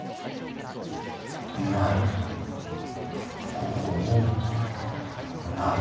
ここもない。